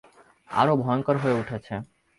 আরো ভয়ংকর হয়ে উঠেছে!